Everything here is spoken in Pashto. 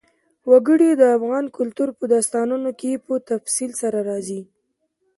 وګړي د افغان کلتور په داستانونو کې په تفصیل سره راځي.